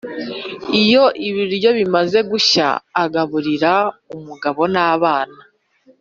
Iyo ibiryo bimaze gushya agaburira umugabo n’abana